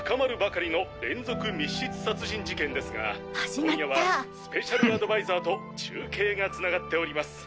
今夜はスペシャルアドバイ中継がつながっております。